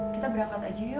kita berangkat aja yuk